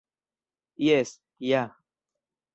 Jes, ja.